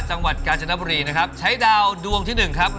จังหวัดกาญจนบุรีนะครับใช้ดาวดวงที่หนึ่งครับ